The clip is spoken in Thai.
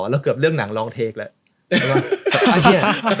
เราเกือบเลือกหนังลองเทคแล้ว